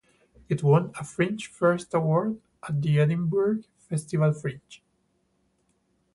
It won a Fringe First award at the Edinburgh Festival Fringe.